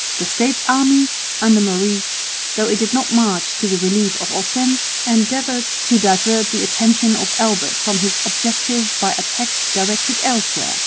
The States' army under Maurice, though it did not march to the relief of Ostend, endeavoured to divert the attention of Albert from his objective by attacks directed elsewhere.